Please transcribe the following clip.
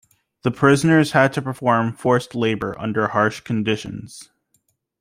The prisoners had to perform forced labor under harsh conditions.